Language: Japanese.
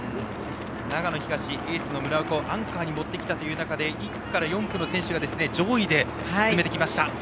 長野東はエースの村岡をアンカーに持ってきた中で１区から４区の選手が上位で進めてきました。